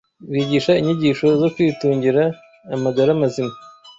bigisha inyigisho zo kwitungira amagara mazima.